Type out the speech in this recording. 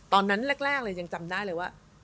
ตอนแรกเลยยังจำได้เลยว่า